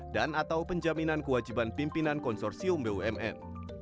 dan atau penjaminan kewajiban pimpinan konsorsium bumn